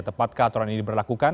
tepatkah aturan ini diberlakukan